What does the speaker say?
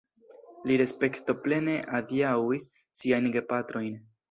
Li respektoplene adiaŭis siajn gepatrojn.